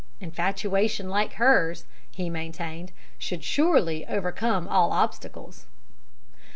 'Infatuation like hers,' he maintained, 'should surely overcome all obstacles.'